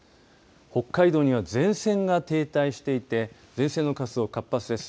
北海道には前線が停滞していて前線の活動、活発です。